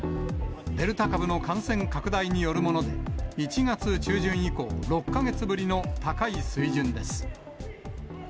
デルタ株の感染拡大によるもので、１月中旬以降、６か月ぶりの高い水準です。